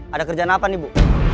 ada kerjaan apa nih bu